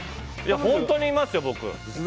本当にいますよ、僕。